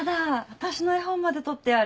私の絵本まで取ってある。